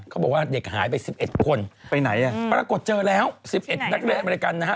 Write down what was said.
เขาบอกว่าเด็กหายไป๑๑คนไปไหนอ่ะปรากฏเจอแล้ว๑๑นักเรียนอเมริกันนะฮะ